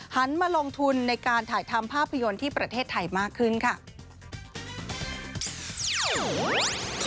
มาลงทุนในการถ่ายทำภาพยนตร์ที่ประเทศไทยมากขึ้นค่ะ